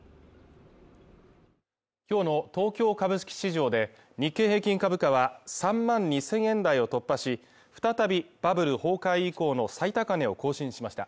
今日の東京株式市場で日経平均株価は３万２０００円台を突破し、再びバブル崩壊以降の最高値を更新しました。